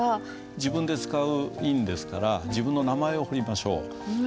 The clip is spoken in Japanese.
自分で使う印ですから自分の名前を彫りましょう。